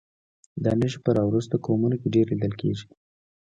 دا نښې په راوروسته قومونو کې ډېرې لیدل کېږي.